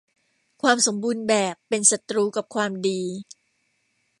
ความสมบูรณ์แบบเป็นศัตรูกับความดี